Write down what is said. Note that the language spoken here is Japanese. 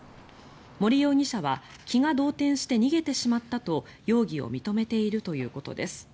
森容疑者は気が動転して逃げてしまったと容疑を認めているということです。